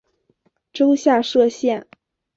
州下设县。